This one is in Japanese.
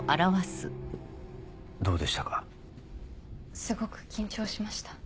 すごく緊張しました。